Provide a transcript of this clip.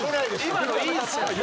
今のいいんすか⁉